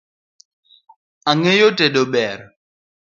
Ang'eyo tedo ber